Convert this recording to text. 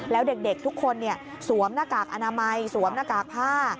แล้วเด็กทุกคนสวมหน้ากากอนามัยสวมหน้ากากผ้า